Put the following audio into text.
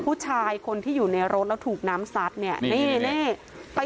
ผู้ชายคนที่อยู่ในรถแล้วถูกน้ำซัดเนี่ยนี่นี่ไป